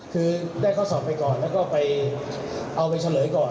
คือได้ข้อสอบไปก่อนแล้วก็ไปเอาไปเฉลยก่อน